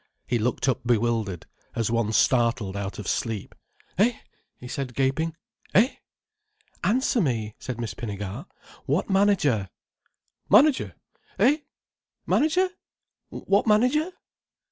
He looked up bewildered, as one startled out of sleep. "Eh?" he said, gaping. "Eh?" "Answer me," said Miss Pinnegar. "What manager?" "Manager? Eh? Manager? What manager?"